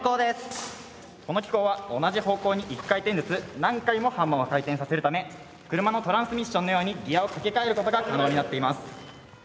この機構は同じ方向に１回転ずつ何回もハンマーを回転させるため車のトランスミッションのようにギアをかけ替えることが可能になっています。